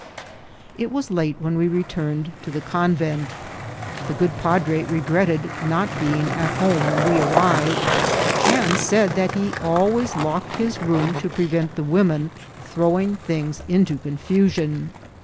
IT was late when we returned to the convent. The good padre regretted not being at home when we arri ved, and said that he always locked his room to prevent the women throwing things into confusion.